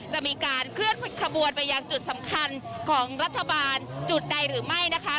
จะมีการเคลื่อนขบวนไปยังจุดสำคัญของรัฐบาลจุดใดหรือไม่นะคะ